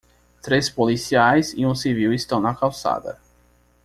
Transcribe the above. Três policiais e um civil estão na calçada.